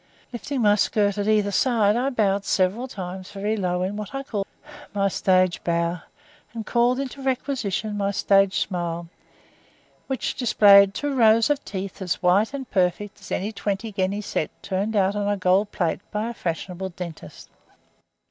Lifting my skirt at either side, I bowed several times very low in what I called my stage bow, and called into requisition my stage smile, which displayed two rows of teeth as white and perfect as any twenty guinea set turned out on a gold plate by a fashionable dentist.